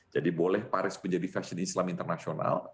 jadi boleh paris menjadi fashion islam internasional